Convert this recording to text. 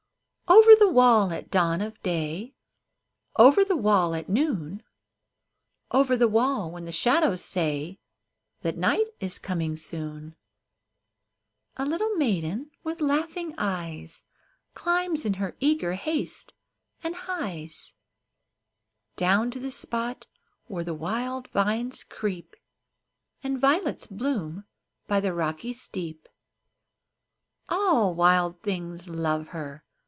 Over the wall at dawn of day, Over the wall at noon. Over the wall when the shadows s«.y That night is coming soon, A little maiden with laughing eyes Climbs in her eager haste, and hies Down to the spot where the wild vines creep, And violets bloom by the rocky steep. 10 OVER THE WALL All wild things love her.